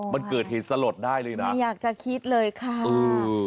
มันเกิดเหตุสลดได้เลยนะไม่อยากจะคิดเลยค่ะอืม